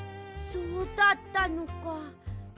そうだったのか。